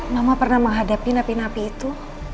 mama pernah menghadapi napi napi itu